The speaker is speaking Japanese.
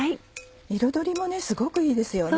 彩りもすごくいいですよね。